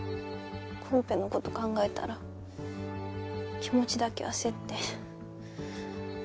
コンペの事考えたら気持ちだけ焦って。